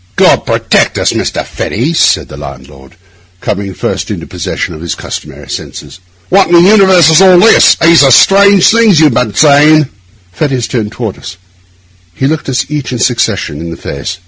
'God protect us, Mr. Fettes!' said the landlord, coming first into possession of his customary senses. 'What in the universe is all this? These are strange things you have been saying.' Fettes turned toward us; he looked us each in succession in the face.